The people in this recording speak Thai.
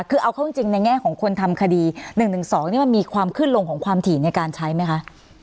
คือเอาเข้าจริงในแง่ของคนทำคดี๑๑๒นี่มันมีความขึ้นลงของความถี่ในการใช้ไหมคะ